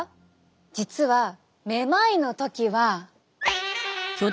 実はめまいの時は。